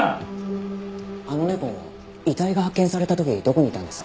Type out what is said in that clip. あの猫遺体が発見された時どこにいたんです？